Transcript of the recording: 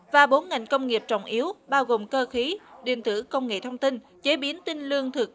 và bốn ngành công nghiệp trọng yếu bao gồm cơ khí điện tử công nghệ thông tin chế biến tinh lương thực